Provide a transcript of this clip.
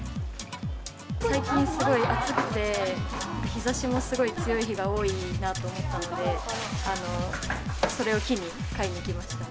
最近、すごい暑くて、日ざしもすごい強い日が多いなと思ったので、それを機に、買いに来ました。